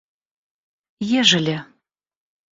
ежели